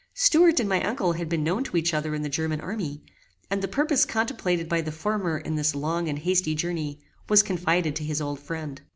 Stuart and my uncle had been known to each other in the German army; and the purpose contemplated by the former in this long and hasty journey, was confided to his old friend.